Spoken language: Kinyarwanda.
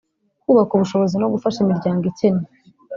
kubaka ubushobozi no gufasha imiryango ikennye